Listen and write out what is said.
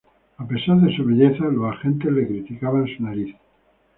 A pesar de su belleza, los agentes le criticaban su nariz.